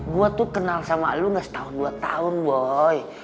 gue tuh kenal sama lo gak setahun dua tahun boy